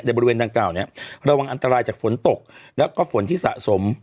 บริเวณดังกล่าวเนี่ยระวังอันตรายจากฝนตกแล้วก็ฝนที่สะสม